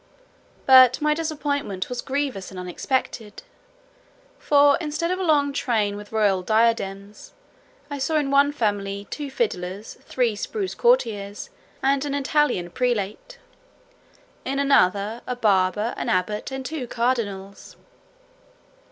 But my disappointment was grievous and unexpected. For, instead of a long train with royal diadems, I saw in one family two fiddlers, three spruce courtiers, and an Italian prelate. In another, a barber, an abbot, and two cardinals.